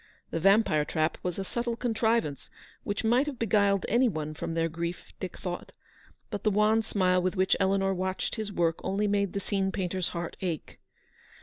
The vampire trap was a subtle con trivance which might have beguiled any one from their grief, Dick thought ; but the wan smile with which Eleanor watched his work only made the scene painter's heart ache.